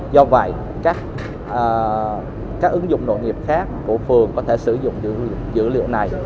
do vậy các ứng dụng nội nghiệp khác của phường có thể sử dụng dữ liệu này